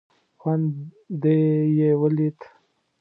خوند دې یې ولید.